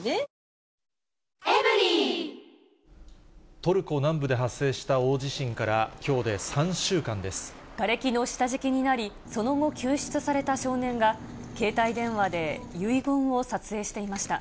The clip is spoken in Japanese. トルコ南部で発生した大地震がれきの下敷きになり、その後、救出された少年が、携帯電話で遺言を撮影していました。